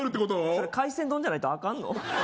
それ海鮮丼じゃないとアカンの？